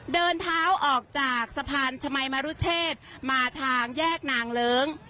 เดินเท้าออกจากสะพานชมัยมรุเชษมาทางแยกนางเลิ้ง